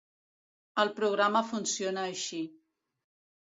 El programa funciona així.